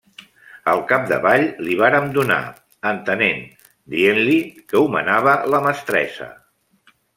Al capdavall li vàrem donar entenent dient-li que ho manava la mestressa.